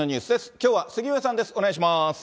きょうは杉上さんです、お願いします。